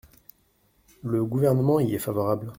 Le Gouvernement y est favorable.